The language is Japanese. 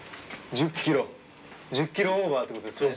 １０キロオーバーってことですよね。